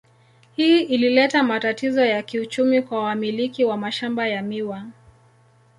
Hii ilileta matatizo ya kiuchumi kwa wamiliki wa mashamba ya miwa.